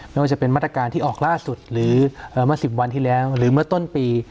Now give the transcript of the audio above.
ไม่ว่าจะเป็นมาตรการที่ออกล่าสุดหรือเมื่อ๑๐วันที่แล้วหรือเมื่อต้นปี